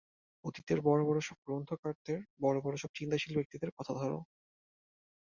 অতীতের বড় বড় সব গ্রন্থকারদের, বড় বড় সব চিন্তাশীল ব্যক্তিদের কথা ধর।